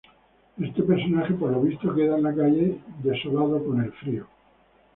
Este personaje, por lo visto queda en la calle desolado, con frío.